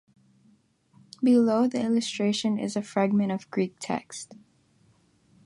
Below the illustration is a fragment of Greek text.